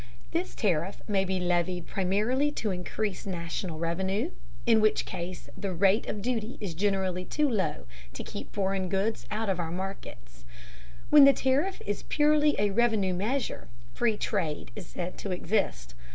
This tariff may be levied primarily to increase national revenue, in which case the rate of duty is generally too low to keep foreign goods out of our markets. When the tariff is purely a revenue measure, "free trade" is said to exist.